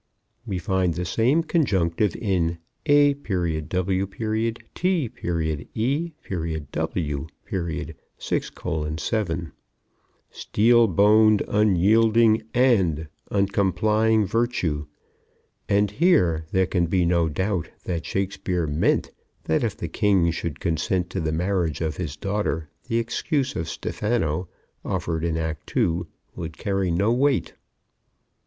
We find the same conjunctive in A.W.T.E.W. 6:7, "Steel boned, unyielding and uncomplying virtue," and here there can be no doubt that Shakespeare meant that if the King should consent to the marriage of his daughter the excuse of Stephano, offered in Act 2, would carry no weight.